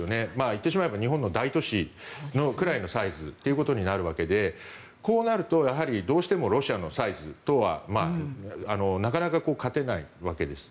言ってしまえば日本の大都市くらいのサイズということになるわけでこうなると、やはりどうしてもロシアのサイズとはなかなか勝てないわけです。